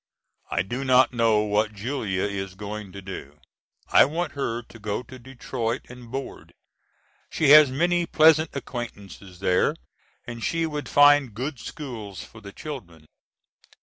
I do not know what Julia is going to do. I want her to go to Detroit and board. She has many pleasant acquaintances there and she would find good schools for the children.